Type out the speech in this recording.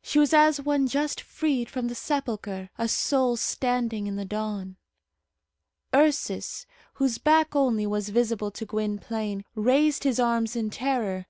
She was as one just freed from the sepulchre; a soul standing in the dawn. Ursus, whose back only was visible to Gwynplaine, raised his arms in terror.